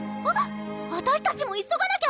あたしたちも急がなきゃ！